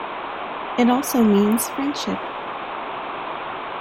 It also means friendship.